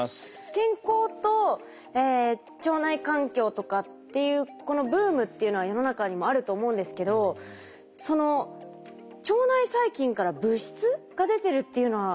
健康と腸内環境とかっていうこのブームっていうのは世の中にもあると思うんですけどその腸内細菌から物質が出てるっていうのは初めて知りました。